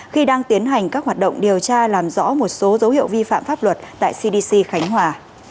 khi đang tiến hành các hoạt động điều tra làm rõ một số dấu hiệu vi phạm pháp luật tại cdc khánh hòa